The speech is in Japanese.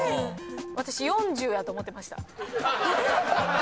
私「４０」やと思うてました。